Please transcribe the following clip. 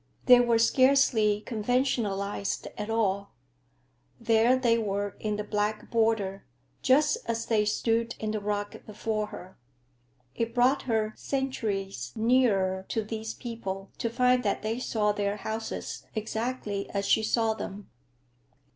They were scarcely conventionalized at all; there they were in the black border, just as they stood in the rock before her. It brought her centuries nearer to these people to find that they saw their houses exactly as she saw them.